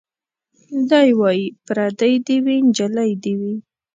دی وايي پرېدۍ دي وي نجلۍ دي وي